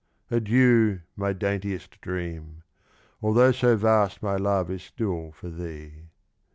Adieu, my daintiest Dream ! although so vast My love is still for thee.